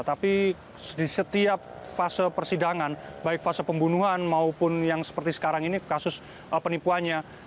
tapi di setiap fase persidangan baik fase pembunuhan maupun yang seperti sekarang ini kasus penipuannya